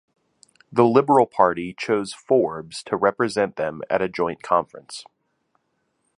The Liberal Party chose Forbes to represent them at a joint conference.